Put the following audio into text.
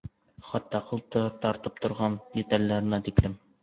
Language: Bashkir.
Хатта ҡыл тартып торған деталдәренә тиклем.